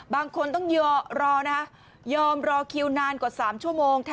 บางคนต้องรอยอมรอคิวนานกว่า๓ชั่วโมง